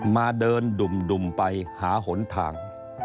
มาเดินดุ่มไปหาหนทาง